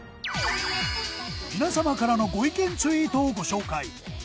皆様からのご意見ツイートをご紹介。